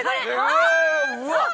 うわっ！